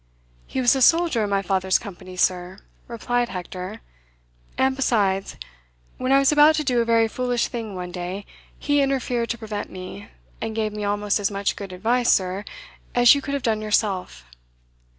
"He was a soldier in my father's company, sir," replied Hector; "and besides, when I was about to do a very foolish thing one day, he interfered to prevent me, and gave me almost as much good advice, sir, as you could have done yourself."